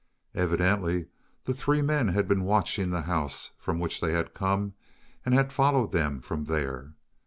Evidently the three men had been watching the house from which they had come and had followed them from there.